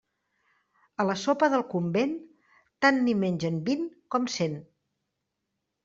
A la sopa del convent tant n'hi mengen vint com cent.